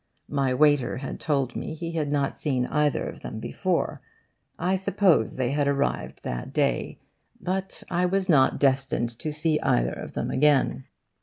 My waiter had told me he had not seen either of them before. I suppose they had arrived that day. But I was not destined to see either of them again.